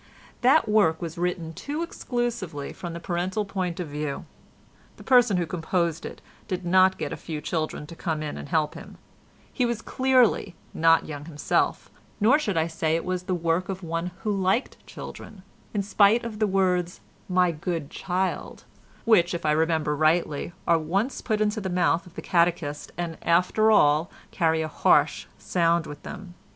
That work was written too exclusively from the parental point of view; the person who composed it did not get a few children to come in and help him; he was clearly not young himself, nor should I say it was the work of one who liked children—in spite of the words "my good child" which, if I remember rightly, are once put into the mouth of the catechist and, after all, carry a harsh sound with them.